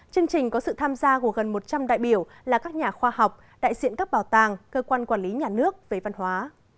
chương trình có sự tham gia của gần một trăm linh đại biểu là các nhà khoa học đại diện các bảo tàng cơ quan quản lý nhà nước về văn hóa